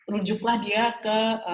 runjuklah dia ke